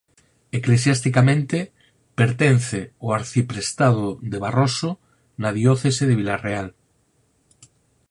Eclesiasticamente pertence ao arciprestado de Barroso na diocese de Vila Real.